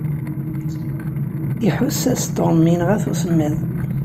Iḥuss-as Tom yenɣa-t usemmiḍ.